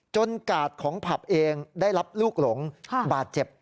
กาดของผับเองได้รับลูกหลงบาดเจ็บ